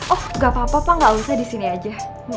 oh gapapa pak gak usah disini aja